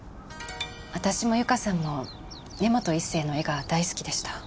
私もゆかさんも根本一成の絵が大好きでした。